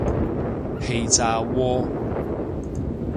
氣炸鍋